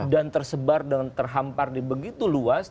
dan tersebar dan terhampar di begitu luas